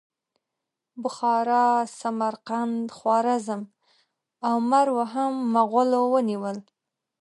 بخارا، سمرقند، خوارزم او مرو هم مغولو ونیول.